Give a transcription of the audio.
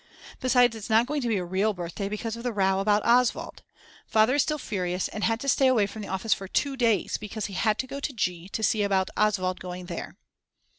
Besides, it's not going to be a real birthday because of the row about Oswald. Father is still furious and had to stay away from the office for 2 days because he had to go to G. to see about Oswald going there.